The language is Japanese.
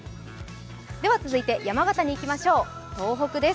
続いて山形にいきましょう、東北です。